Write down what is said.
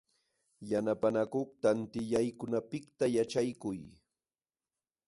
Millwata śhawakuykulmi tuśhuykan.